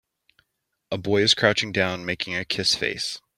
A boy is crouching down, making a kiss face.